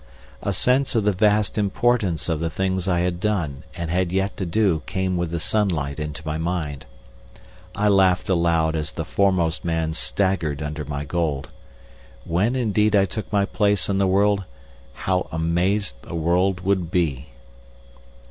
A sense of the vast importance of the things I had done and had yet to do came with the sunlight into my mind. I laughed aloud as the foremost man staggered under my gold. When indeed I took my place in the world, how amazed the world would be!